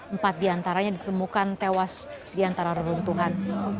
empat diantaranya ditemukan tewas di antara reruntuhan